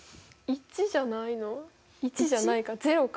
１じゃないか０か。